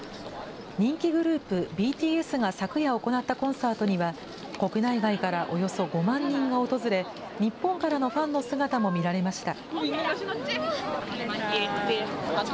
人気グループ、ＢＴＳが昨夜行ったコンサートには、国内外からおよそ５万人が訪れ、日本からのファンの姿も見られました。